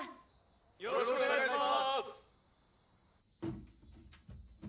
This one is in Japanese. よろしくお願いします！